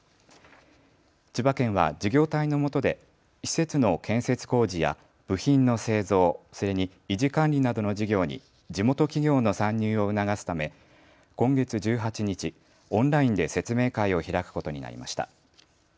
千葉県は事業体のもとで施設の建設工事や部品の製造、それに維持管理などの事業に地元企業の参入を促すため今月１８日、オンラインで説明会を開くことになりました。